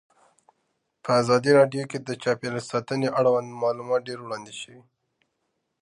په ازادي راډیو کې د چاپیریال ساتنه اړوند معلومات ډېر وړاندې شوي.